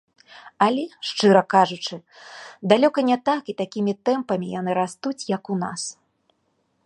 Але, шчыра кажучы, далёка не так і такімі тэмпамі яны растуць, як у нас.